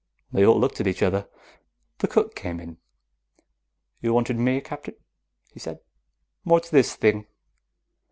They all looked at each other. The cook came in. "You wanted me, Captain?" he said. "What's this thing?"